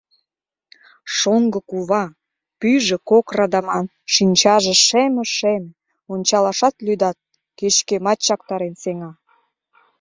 Шоҥго кува, пӱйжӧ кок радаман, шинчаже шеме-шеме — ончалашат лӱдат, кеч-кӧмат чактарен сеҥа.